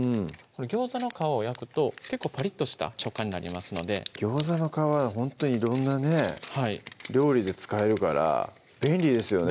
餃子の皮を焼くと結構パリッとした食感になりますので餃子の皮はほんとに色んなね料理で使えるから便利ですよね